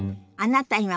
あなた